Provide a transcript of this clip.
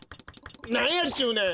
なんやっちゅうねん！